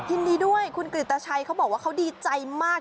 ยินดีด้วยคุณกริตชัยเขาบอกว่าเขาดีใจมาก